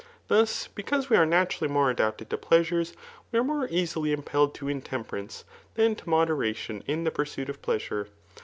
Thus, because we are naturally more adapted to pleasures, we are more easily impelled to intemperance than to moderation in the pursuit of pleasure.